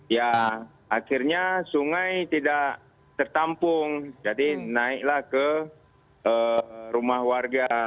ya akhirnya sungai tidak tertampung jadi naiklah ke rumah warga